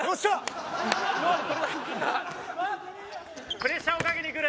プレッシャーをかけにくる。